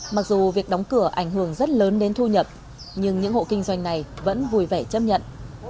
mặc dù việc đóng cửa ảnh hưởng rất lớn đến thu nhập nhưng những hộ kinh doanh này vẫn vui vẻ chấp nhận